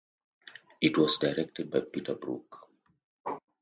It was directed by Peter Brook.